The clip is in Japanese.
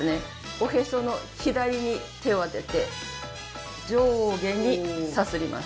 おへその左に手を当てて上下にさすります